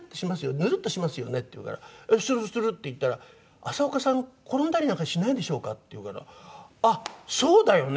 「ヌルッとしますよね？」って言うから「するする」って言ったら「浅丘さん転んだりなんかしないでしょうか」って言うから「あっそうだよね！